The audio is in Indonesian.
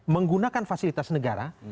menggunakan fasilitas negara